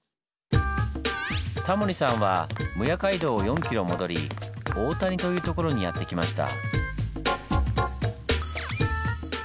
タモリさんは撫養街道を４ｋｍ戻り大谷というところにやって来ました。